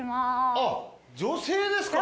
あっ女性ですか。